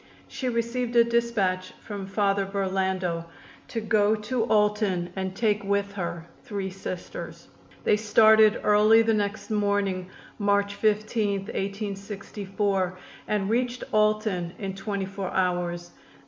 She received a dispatch from Father Burlando to go to Alton and take with her three Sisters. They started early the next morning, March 15, 1864, and reached Alton in twenty four hours.